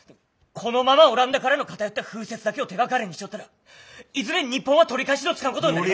このままオランダからの偏った風説だけを手がかりにしちょったらいずれ日本は取り返しのつかんことに。